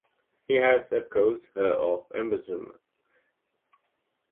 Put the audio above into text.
He also accused her of embezzlement.